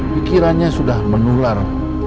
pikirannya sudah menular